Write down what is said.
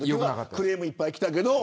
クレームいっぱいきたけど。